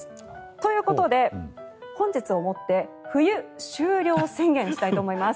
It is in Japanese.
ということで、本日をもって冬終了宣言したいと思います。